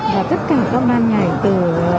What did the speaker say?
và tất cả các ban ngành từ